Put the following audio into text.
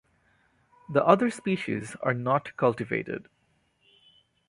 The other species are not cultivated.